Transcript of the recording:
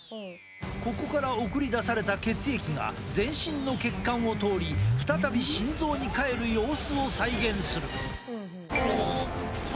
ここから送り出された血液が全身の血管を通り再び心臓に帰る様子を再現する。